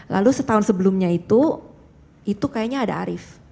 lalu setahun sebelumnya itu itu kayaknya ada arief